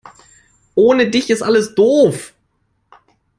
Ohne dich ist alles doof.